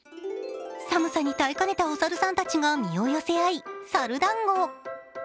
寒さに耐えかねたお猿さんたちが身を寄せ合い、猿だんご。